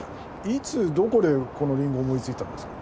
・いつどこでこのりんごを思いついたんですか？